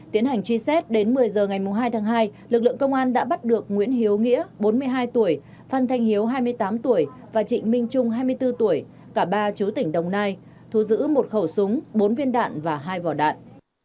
tiến hành truy xét đến một mươi h ngày hai tháng hai lực lượng công an đã bắt được nguyễn hiếu nghĩa bốn mươi hai tuổi phan thanh hiếu hai mươi tám tuổi và trịnh minh trung hai mươi bốn tuổi cả ba chú tỉnh đồng nai thu giữ một khẩu súng bốn viên đạn và hai vỏ đạn